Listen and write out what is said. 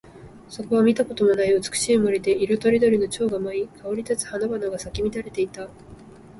そこは見たこともない美しい森で、色とりどりの蝶が舞い、香り立つ花々が咲き乱れていた。